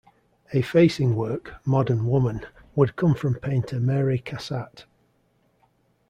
A facing work, Modern Woman, would come from painter Mary Cassatt.